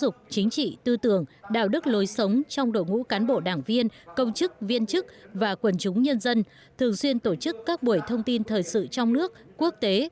thủ tướng nguyễn xuân phúc đã tham dự bởi lễ